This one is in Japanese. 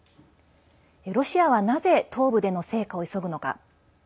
ロシアはなぜ東部での成果を急ぐのか。